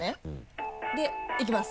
でいきます